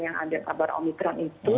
yang ada kabar omikron itu